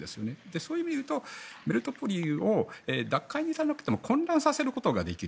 そういう意味で言うとメリトポリを奪回じゃなくても混乱させることができる。